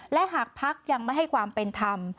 และหากภักดิ์ยังไม่ให้ความเป็นธรรม